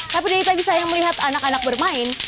tapi dari tadi saya melihat anak anak bermain